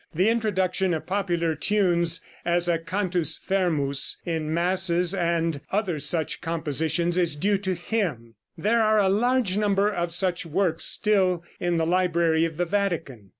The introduction of popular tunes as a cantus fermus in masses and other such compositions is due to him; there are a large number of such works still in the library of the Vatican.